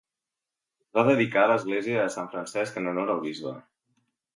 Es va dedicar l'església a sant Francesc en honor al bisbe.